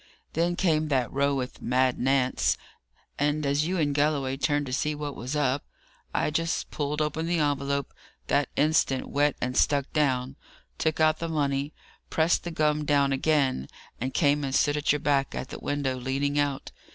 Then came that row with Mad Nance; and as you and Galloway turned to see what was up, I just pulled open the envelope, that instant wet and stuck down, took out the money, pressed the gum down again, and came and stood at your back, at the window, leaning out.